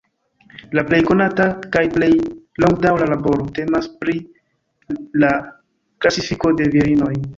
La plej konata kaj plej longdaŭra laboro temas pri la klasifiko de virinoj.